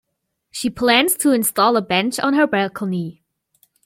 She plans to install a bench on her balcony.